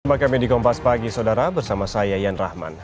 selamat datang di kompas pagi bersama saya yan rahman